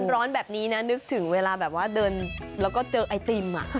ร้อนแบบนี้นะนึกถึงเวลาแบบว่าเดินแล้วก็เจอไอติม